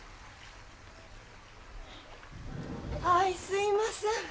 あいすみません。